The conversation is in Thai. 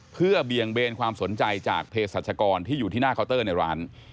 เพื่อเบี่ยงเบนความสนใจจากเพศรัชกรที่อยู่ที่หน้าเคาน์เตอร์ในร้าน